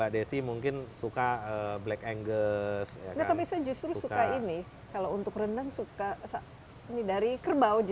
daging kerbau enak